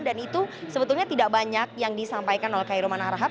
dan itu sebetulnya tidak banyak yang disampaikan oleh kairuman harahap